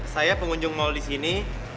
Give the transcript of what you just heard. saya pengunjung mal di sini